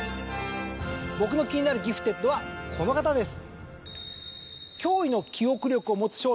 僕の気になるギフテッドはこの方です。